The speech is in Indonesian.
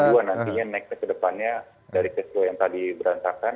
nantinya nextnya kedepannya dari cash flow yang tadi berantakan